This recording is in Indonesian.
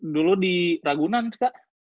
dulu di ragunan kak